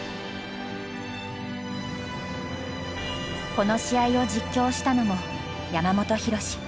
この試合を実況したのも山本浩。